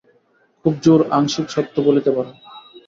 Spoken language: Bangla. খুব জোর আংশিক সত্য বলিতে পার।